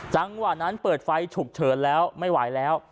จังหวะนั้นเปิดไฟฉุกเฉินแล้วไม่ไหวแล้ว